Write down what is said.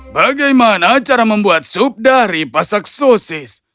bagaimana cara membuat sup dari pasak sosis